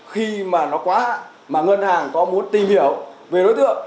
khi mà nó quá hạn mà ngân hàng có muốn tìm hiểu về đối tượng